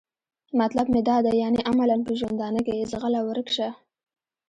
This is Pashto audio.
مطلب مې دا دی یعنې عملاً په ژوندانه کې؟ ځغله ورک شه.